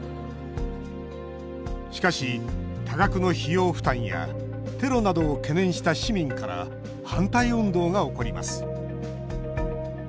しかし、多額の費用負担やテロなどを懸念した市民から反対運動が起こります。